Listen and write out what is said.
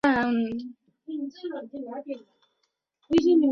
它是世界汽车工业国际协会的成员之一。